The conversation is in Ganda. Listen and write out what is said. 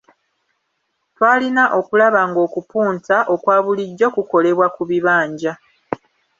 Twalina okulaba ng’okupunta okwa bulijjo kukolebwa ku bibanja.